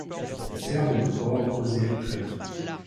Elle servait de port aux Erythréens.